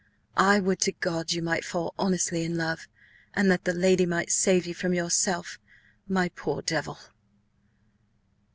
"I would to God you might fall honestly in love–and that the lady might save you from yourself–my poor Devil!"